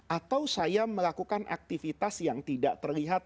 atau saya melakukan aktivitas yang tidak terlihat